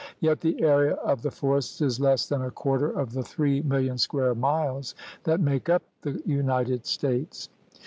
Yet the area of the forests is less than a quarter of the three million square miles that make up the United States.